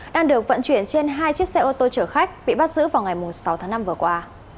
đang được vận chuyển trên hai chiếc xe ô tô chở khách bị bắt giữ vào ngày sáu tháng năm vừa qua